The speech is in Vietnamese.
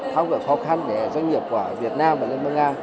tham gia khó khăn để doanh nghiệp của việt nam và liên bang nga